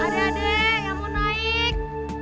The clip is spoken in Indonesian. adek adek yang mau naik